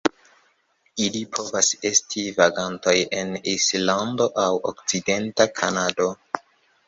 Ili povas esti vagantoj en Islando aŭ okcidenta Kanado.